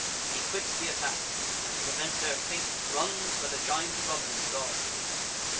He quits th' attack, and, to prevent their fate, Runs where the giant brothers guard the gate.